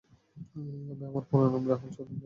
আবে আমার পুরা নাম, রাহুল সত্যেন্দ্র ত্রিপাঠি।